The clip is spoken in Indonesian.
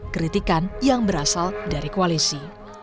kritikan yang berasal dari koalisi